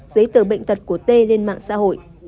giấy tờ bệnh tật của t lên mạng xã hội